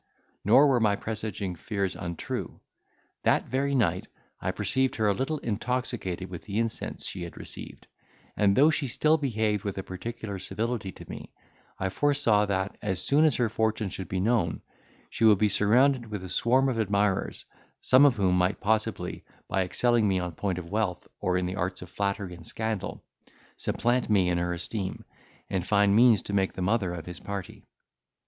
Nor were my presaging fears untrue. That very night I perceived her a little intoxicated with the incense she had received, and, though, she still behaved with a particular civility to me, I foresaw, that, as soon as her fortune should be known, she would be surrounded with a swarm of admirers, some of whom might possibly, by excelling me on point of wealth, or in the arts of flattery and scandal, supplant me in her esteem, and find means to make the mother of his party.